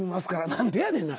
何でやねんな。